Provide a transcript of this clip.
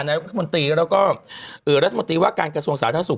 และก็เอ่อรัฐมนตรีว่าการกระทรวงสาธารณสุข